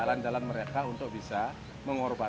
kita harus berpikir kita harus melakukan sesuatu yang lebih baik